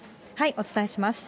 お伝えします。